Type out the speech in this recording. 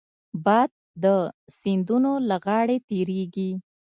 باد د سیندونو له غاړې تېرېږي